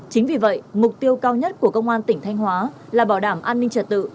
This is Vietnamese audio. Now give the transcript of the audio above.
chính vì vậy mục tiêu cao nhất của công an tỉnh thanh hóa là bảo đảm an ninh trật tự